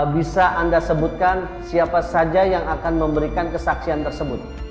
bisa anda sebutkan siapa saja yang akan memberikan kesaksian tersebut